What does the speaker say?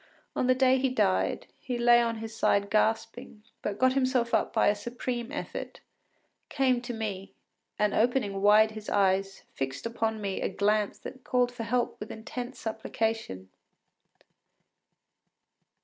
On the day he died, he lay on his side gasping, but got himself up by a supreme effort, came to me, and opening wide his eyes, fixed upon me a glance that called for help with intense supplication.